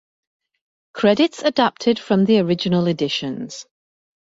Credits adapted from the original editions.